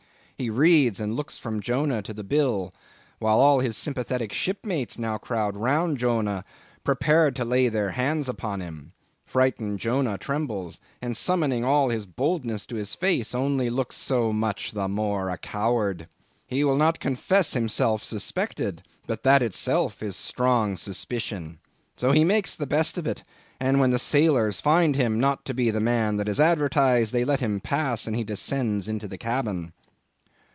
He reads, and looks from Jonah to the bill; while all his sympathetic shipmates now crowd round Jonah, prepared to lay their hands upon him. Frighted Jonah trembles, and summoning all his boldness to his face, only looks so much the more a coward. He will not confess himself suspected; but that itself is strong suspicion. So he makes the best of it; and when the sailors find him not to be the man that is advertised, they let him pass, and he descends into the cabin.